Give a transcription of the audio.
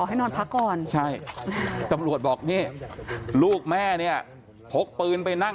ให้นอนพักก่อนใช่ตำรวจบอกนี่ลูกแม่เนี่ยพกปืนไปนั่ง